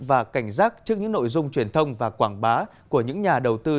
và cảnh giác trước những nội dung truyền thông và quảng bá của những nhà đầu tư